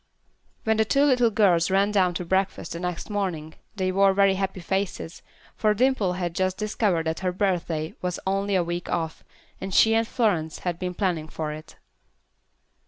When the two little girls ran down to breakfast the next morning, they wore very happy faces, for Dimple had just discovered that her birthday was only a week off, and she and Florence had been planning for it.